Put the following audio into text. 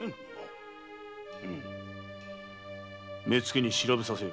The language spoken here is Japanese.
目付に調べさせよ。